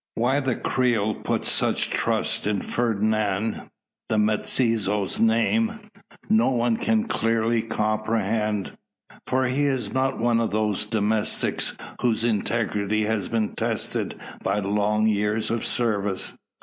Why the Creole puts such trust in Fernand the mestizo's name no one can clearly comprehend. For he is not one of those domestics, whose integrity has been tested by long years of service.